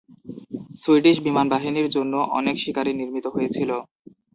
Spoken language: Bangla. সুইডিশ বিমান বাহিনীর জন্য অনেক শিকারী নির্মিত হয়েছিল।